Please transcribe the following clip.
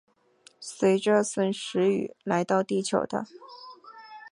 随着殒石雨来到地球的。